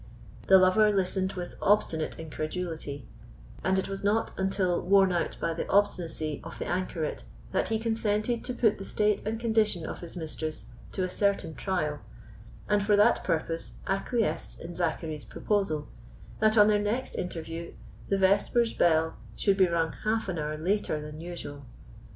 The lover listened with obstinate incredulity; and it was not until worn out by the obstinacy of the anchoret that he consented to put the state and condition of his mistress to a certain trial, and for that purpose acquiesced in Zachary's proposal that on their next interview the vespers bell should be rung half an hour later than usual.